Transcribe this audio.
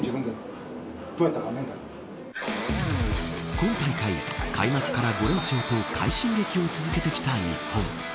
今大会、開幕から５連勝と快進撃を続けてきた日本。